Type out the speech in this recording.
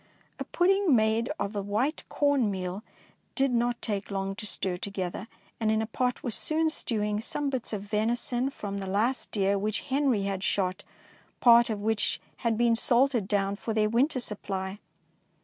A pudding made of the white corn meal did not take long to stir to gether, and in a pot was soon stewing some bits of venison from the last deer which Henry had shot, part of which had been salted down for their winter supply.